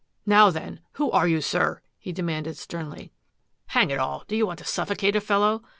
" Now, then, who are you, sir? " he demanded sternly. " Hang it all, do you want to suiFocate a fel low